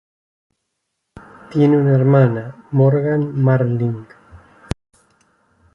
Tiene una hermana, Morgan Marling.